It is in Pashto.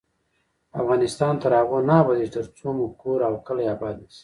افغانستان تر هغو نه ابادیږي، ترڅو مو کور او کلی اباد نشي.